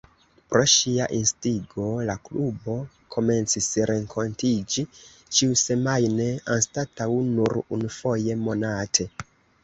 Pro ŝia instigo la klubo komencis renkontiĝi ĉiusemajne anstataŭ nur unufoje monate.